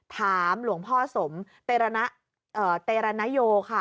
ถามหลวงพ่อสมเตรรณโยค่ะ